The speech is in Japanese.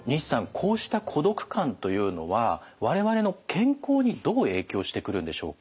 こうした孤独感というのは我々の健康にどう影響してくるんでしょうか？